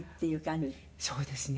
そうですね。